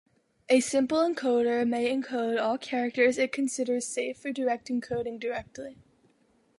A simple encoder may encode all characters it considers safe for direct encoding directly.